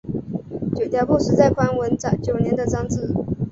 九条辅实在宽文九年的长子。